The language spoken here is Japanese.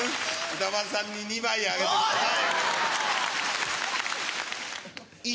歌丸さんに２枚あげてください。